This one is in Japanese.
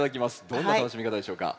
どんな楽しみ方でしょうか？